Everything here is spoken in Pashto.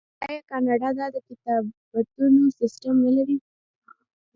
آیا کاناډا د کتابتونونو سیستم نلري؟